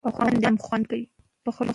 مشهوره لوبډلي هند، پاکستان او اسټرالیا دي.